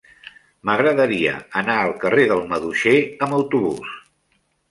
M'agradaria anar al carrer del Maduixer amb autobús.